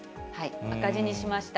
赤字にしました。